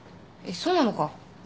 えっそうなのか。